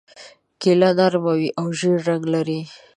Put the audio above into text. کیله نرمه وي او ژېړ رنګ لري.